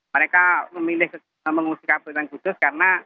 mereka memilih mengungsi kabupaten khusus karena